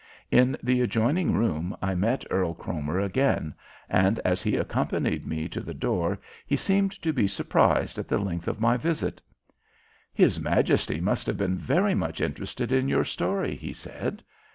In the adjoining room I met Earl Cromer again, and as he accompanied me to the door he seemed to be surprised at the length of my visit. "His Majesty must have been very much interested in your story," he said.